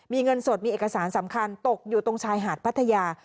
มีเงินสดมีเอกสารสำคัญตกอยู่ตรงชายหาดพัทยา